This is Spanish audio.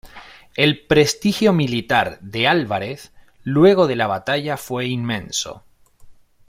El prestigio militar de Álvarez luego de la batalla fue inmenso.